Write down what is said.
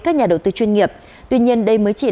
các nhà đầu tư chuyên nghiệp tuy nhiên đây mới chỉ là